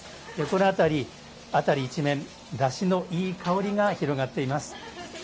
このあたり、あたり一面だしのいい香りが広がっています。